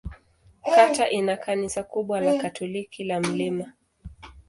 Kata ina kanisa kubwa la Katoliki la Mt.